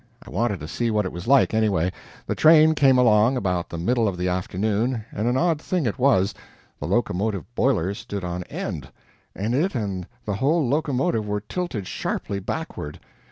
I wanted to see what it was like, anyway. The train came along about the middle of the afternoon, and an odd thing it was. The locomotive boiler stood on end, and it and the whole locomotive were tilted sharply backward.